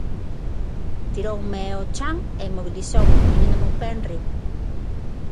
Tiroume ao chan e inmobilizoume poñéndome un pé enriba.